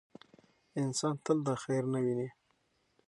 انسان تل دا خیر نه ویني.